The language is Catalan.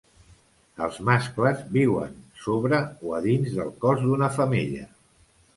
Els mascles viuen sobre o a dins del cos d'una femella.